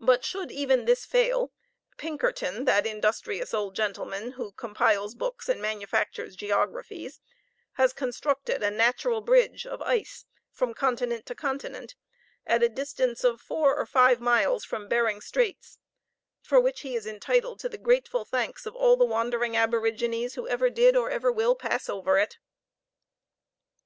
But should even this fail, Pinkerton, that industrious old gentleman, who compiles books and manufactures geographies, has constructed a natural bridge of ice, from continent to continent, at the distance of four or five miles from Behring's Straits for which he is entitled to the grateful thanks of all the wandering aborigines who ever did or ever will pass over it.